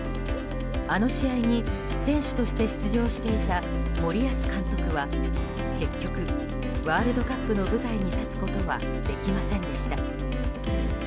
あの試合に選手として出場していた森保監督は結局、ワールドカップの舞台に立つことはできませんでした。